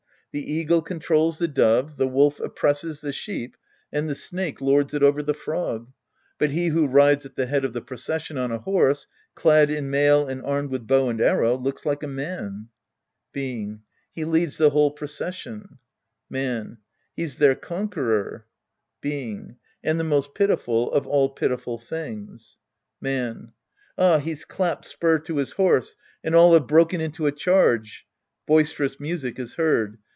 The eagle controls the dove, the wolf oppresses the sheep, and the snake lords' it over the frog.'' But he who rides at the head of the procession on a horse, clad in mail and armed with bow and arrow, looks like a man. Being. He leads the whole procession. Man. He's their conqueror. Being. And the most pitiful of all pitiful tilings. Man. Ah, he's clapped spur to his horse, and all baye broken into a charge. {Boisterous music is heard.)